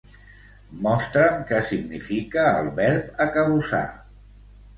Mostra'm què significa el verb acabussar.